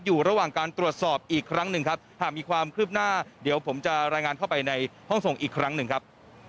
อยู่ระหว่างการตรวจสอบอีกครั้งหนึ่งครับหากมีความคืบหน้าเดี๋ยวผมจะรายงานเข้าไปในห้องส่งอีกครั้งหนึ่งครับ